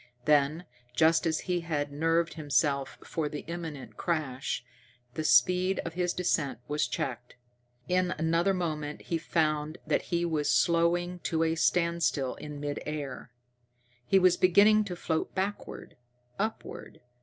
Then, just as he had nerved himself for the imminent crash, the speed of his descent was checked. In another moment he found that he was slowing to a standstill in mid air. He was beginning to float backward upward.